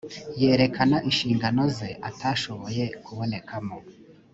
yerekana inshingano ze atashoboye kubonekamo